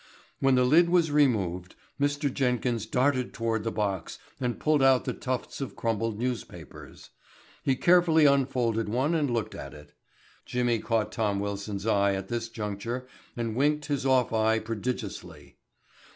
When the lid was removed Mr. Jenkins darted toward the box and pulled out the tufts of crumpled newspapers. He carefully unfolded one and looked at it. Jimmy caught Tom Wilson's eye at this juncture and winked his off eye prodigiously.